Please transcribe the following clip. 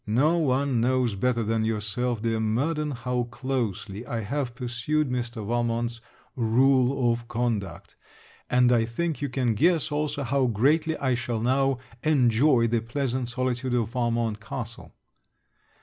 No one knows better than yourself, dear Murden, how closely I have pursued Mr. Valmont's rule of conduct, and I think you can guess also how greatly I shall now enjoy the pleasant solitude of Valmont castle.